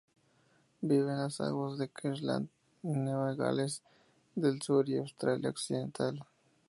Vive en las aguas de Queensland, Nueva Gales del Sur y Australia Occidental.